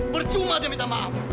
bercuma dia minta maaf